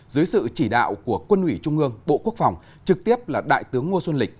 dưới sự chỉ đạo của quân ủy trung ương bộ quốc phòng trực tiếp là đại tướng ngô xuân lịch